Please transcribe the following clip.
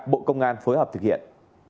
bộ công an phối hợp thực hiện